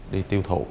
đi tiêu thụ